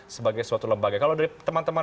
sebagai suatu lembaga kalau dari teman teman